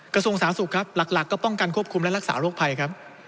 กระทรวงสาธารณสุขครับหลักก็ป้องกันควบคุมและรักษาโรคภัยครับ